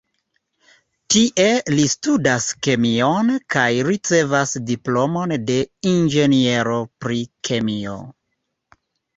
Tie li studas kemion kaj ricevas diplomon de inĝeniero pri kemio.